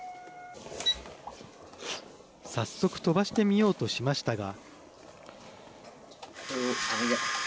早速飛ばしてみようとしましたが。